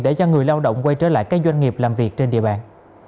để cho người lao động quay trở lại các doanh nghiệp làm việc trên địa bàn